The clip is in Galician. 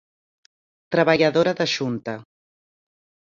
Traballadora da Xunta.